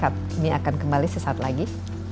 kami akan kembali sesaat lagi